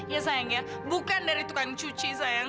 ya sayang ya bukan dari tukang cuci sayang